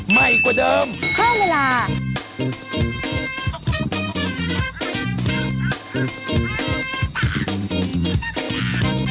ใหม่กว่าเดิม